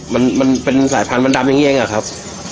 มันมันเป็นสายพันธุ์มันดำยังเงี้ยงอ่ะครับ